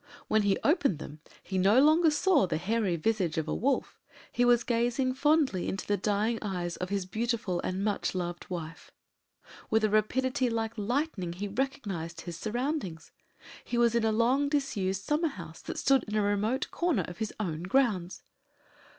When he opened them he no longer saw the hairy visage of a wolf he was gazing fondly into the dying eyes of his beautiful and much loved wife. With a rapidity like lightning, he recognized his surroundings. He was in a long disused summer house that stood in a remote corner of his own grounds!